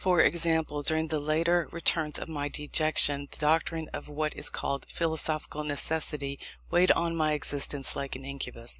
For example, during the later returns of my dejection, the doctrine of what is called Philosophical Necessity weighed on my existence like an incubus.